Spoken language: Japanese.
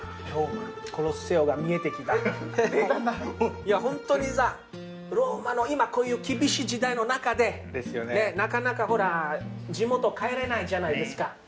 いやホントにさローマの今こういう厳しい時代の中でなかなかほら地元帰れないじゃないですか。